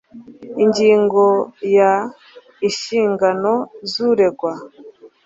Ingingo ya Inshingano z uregwa